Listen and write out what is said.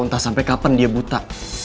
entah sampai kapan dia buta